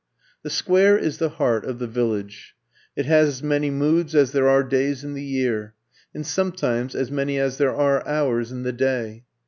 The Square is the heart of the Village. It has as many moods as there are days in the year, and sometimes as many as there are hours in the day.